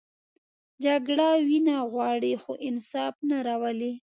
جګړه وینه غواړي، خو انصاف نه راولي